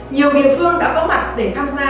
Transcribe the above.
nhiều địa phương đã có mặt để tham gia